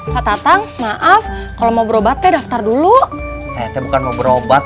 pak tatang maaf kalau mau berobatnya daftar dulu saya bukan mau berobat